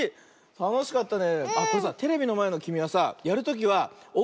たのしかったね。